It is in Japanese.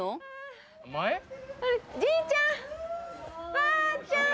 ばあちゃん！